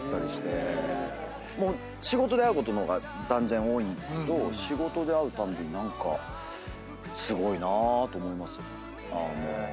もう仕事で会うことの方が断然多いんですけど仕事で会うたびに何かすごいなと思います。